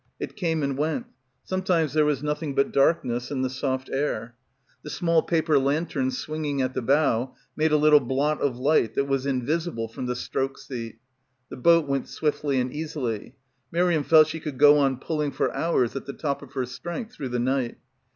It came and went; sometimes there was nothing but darkness and the soft air. The small paper lantern swinging at the bow made a little blot of light that was invisible from the stroke seat. The boat went swiftly and easily. Miriam felt she could go on pulling for hours at the top of her strength through the night.